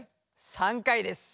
３回です。